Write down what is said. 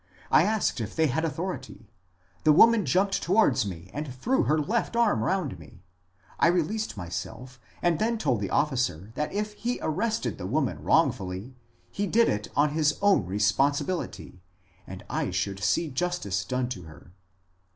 I asked if they had authority. The woman jumped towards me and threw her left arm round me. I released myself, and then told the officer that if he arrested the woman wrongfully, he did it on his own responsibility and I should see justice done to her.